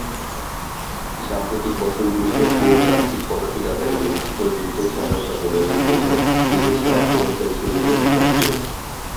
সাম্প্রতিক বছরগুলিতে কোর যান্ত্রিক পদাতিক আকারে ঘনিষ্ঠ যুদ্ধ সহায়তা প্রদানের জন্য নিজস্ব আক্রমণকারী সৈন্যদের বিকাশ করেছে।